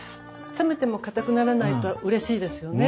冷めてもかたくならないとうれしいですよね。